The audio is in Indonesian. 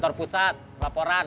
guru biasa j mutta selamat datang